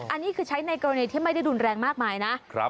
อันนี้คือใช้ในกรณีที่ไม่ได้รุนแรงมากมายนะ